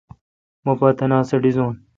مہ پا تناس ڈیزون